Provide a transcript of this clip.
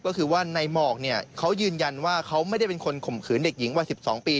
ก็คือว่าในหมอกเนี่ยเขายืนยันว่าเขาไม่ได้เป็นคนข่มขืนเด็กหญิงวัย๑๒ปี